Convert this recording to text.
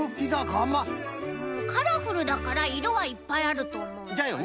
カラフルだからいろはいっぱいあるとおもうんだよね。